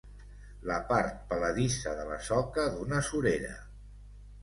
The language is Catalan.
La part peladissa de la soca d'una surera.